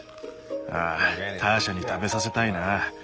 ああターシャに食べさせたいな。